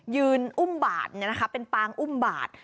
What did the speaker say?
ยืนเป็นปางอุ่มบาด